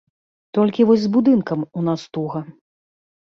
Толькі вось з будынкам у нас туга.